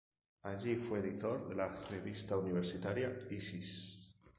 Allí fue editor de la revista universitaria "Isis".